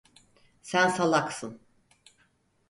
Sen salaksın.